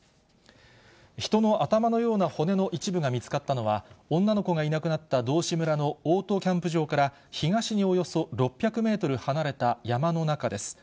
人の頭のような骨の一部が見つかったのは、女の子がいなくなった道志村のオートキャンプ場から東におよそ６００メートル離れた山の中です。